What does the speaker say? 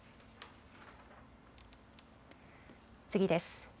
次です。